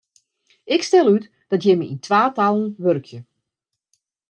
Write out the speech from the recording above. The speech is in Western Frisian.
Ik stel út dat jimme yn twatallen wurkje.